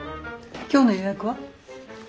今日の予約は？